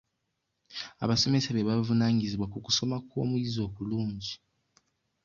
Abasomesa be bavunaanyizibwa ku kusoma kw'omuyizi okulungi.